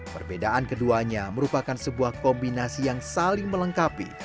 perbedaan keduanya merupakan sebuah kombinasi yang saling melengkapi